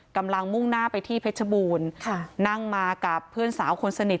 มุ่งหน้าไปที่เพชรบูรณ์ค่ะนั่งมากับเพื่อนสาวคนสนิท